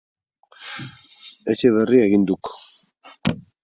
Etxe berria egin duk.